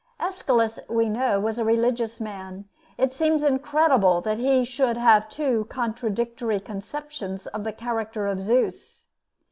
Aeschylus, we know, was a religious man. It seems incredible that he should have had two contradictory conceptions of the character of Zeus.